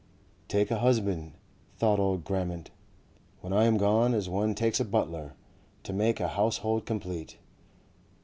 "Take a husband," thought old Grammont, "when I am gone, as one takes a butler, to make the household complete."